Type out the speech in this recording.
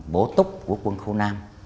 bố túc của quân khu nam